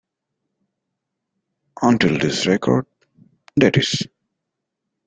Until this record, that is.